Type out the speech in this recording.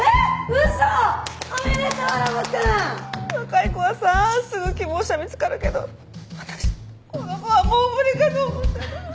若い子はさすぐ希望者見つかるけど私この子はもう無理かと思ってた。